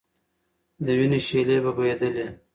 د وینو شېلې به بهېدلې.